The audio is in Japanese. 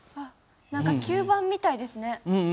何か吸盤みたいですね。